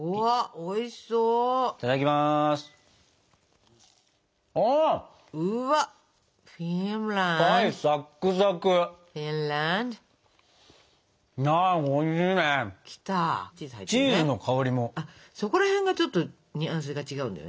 おいしそうだよ。